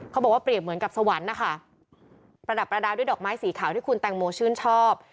เขาบอกว่าเปรียบเหมือนกับสวรรค์นะคะประดับประดาษด้วยดอกไม้สีขาวที่คุณแตงโมชื่นชอบ